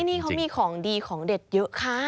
นี่เขามีของดีของเด็ดเยอะค่ะ